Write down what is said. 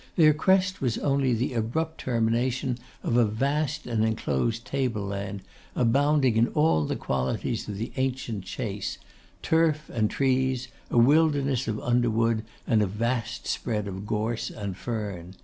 Their crest was only the abrupt termination of a vast and enclosed tableland, abounding in all the qualities of the ancient chase: turf and trees, a wilderness of underwood, and a vast spread of gorse and fern.